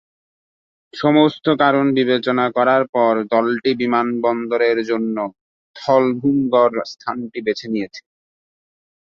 সমস্ত কারণ বিবেচনা করার পর, দলটি বিমানবন্দরের জন্য ধলভূমগড় স্থানটি বেছে নেয়।